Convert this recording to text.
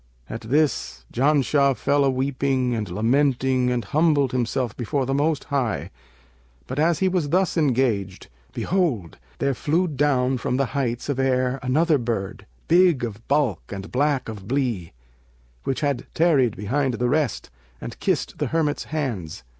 At this, Janshah fell a weeping and lamenting and humbled himself before the Most High; but, as he was thus engaged, behold, there flew down from the heights of air another bird, big of bulk and black of blee, which had tarried behind the rest, and kissed the hermit's hands.